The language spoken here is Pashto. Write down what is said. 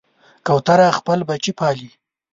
کوتره خپل بچي پالي.